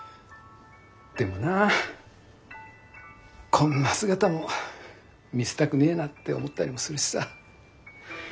こんな姿も見せたくねえなって思ったりもするしさ。